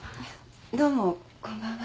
どうもこんばんは。